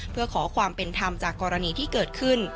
เพื่อขอความเป็นธรรมจากกรณีที่เกิดขึ้น